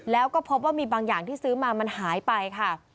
แล้วก็พบว่ามีบางอย่างที่ซื้อมามันหายไปค่ะ